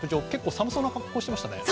寒そうな格好してましたね。